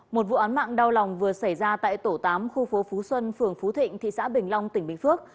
một vụ án mạng đau lòng vừa xảy ra tại tổ tám khu phố phú xuân phường phú thịnh thị xã bình long tỉnh bình phước